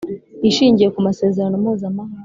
Ishingiye ku masezerano Mpuzamahanga